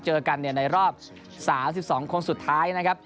เจอกันในรอบ๓๒คนสุดท้ายนะครับ